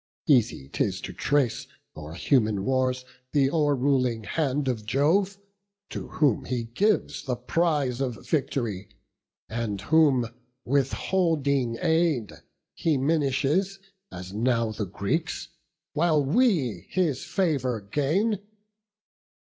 Easy 'tis to trace O'er human wars th' o'erruling hand of Jove, To whom he gives the prize of victory, And whom, withholding aid, he minishes, As now the Greeks, while we his favour gain.